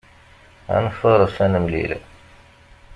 Ad nfaṛes ad nemlil.